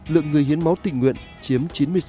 lượng người hiến máu tình nguyện chiếm chín mươi sáu